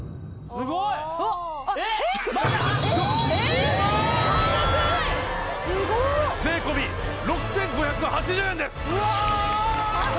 すごっ税込６５８０円ですうわーっ！